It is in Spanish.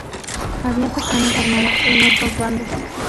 Había personas armadas en los dos bandos.